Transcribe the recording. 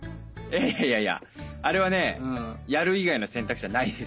いやいやあれはねやる以外の選択肢はないですよ。